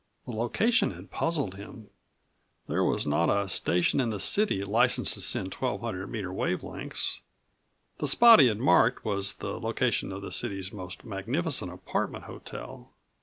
The location had puzzled him. There was not13 a station in the city licensed to send 1200 meter wave lengths. The spot he had marked was the location of the city's most magnificent apartment hotel.